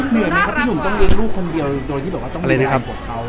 เหนื่อยไหมครับพี่หนุ่มต้องเลี้ยงลูกคนเดียวโดยที่บอกว่าต้องเป็นในอนาคตเขา